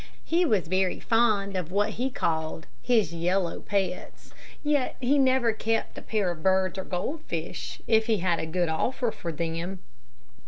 He was very fond of what he called "his yellow pets," yet he never kept a pair of birds or a goldfish, if he had a good offer for them.